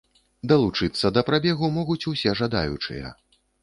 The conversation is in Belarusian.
Далучыцца да прабегу могуць усе жадаючыя.